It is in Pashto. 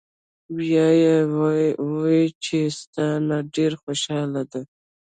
" بیا ئې وې چې " ستا نه ډېره خوشاله ده